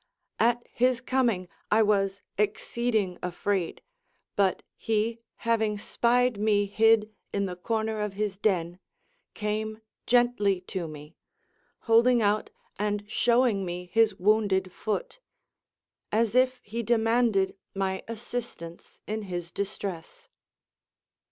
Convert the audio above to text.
At his coming I was exceeding afraid; but he having spied me hid in the comer of his den, came gently to me, holding out and showing me his wounded foot, as if he demanded my assistance in his distress.